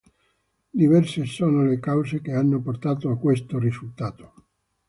Diverse sono le cause che hanno portato a questo risultato.